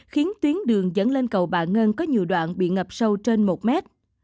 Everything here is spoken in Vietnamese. khiến tuyến đường dẫn lên cầu bà ngân có nhiều đoạn bị ngập sâu trên một mét